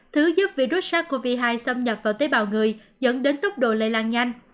thứ giúp virus sars cov hai xâm nhập vào tế bào người dẫn đến tốc độ lây lan nhanh